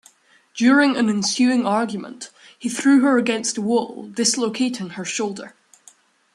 During an ensuing argument, he threw her against a wall, dislocating her shoulder.